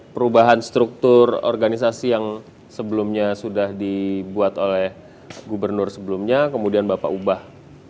perubahan struktur organisasi yang sebelumnya sudah dibuat oleh gubernur sebelumnya kemudian bapak ubah